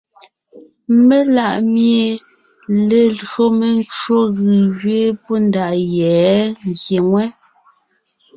Mela ʼmie lelÿò mencwò gʉ̀ gẅiin pɔ́ yɛ́ ngyè ŋwɛ́.